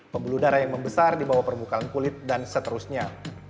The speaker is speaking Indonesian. pembuluh darah yang membesar di bawah permukaan kulit dan seterusnya